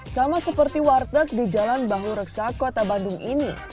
sama seperti warteg di jalan bahu reksa kota bandung ini